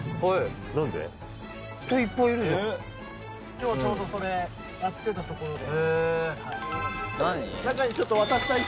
今日ちょうどそれやってたところで。